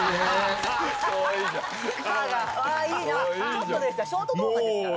ちょっとですからショート動画ですから。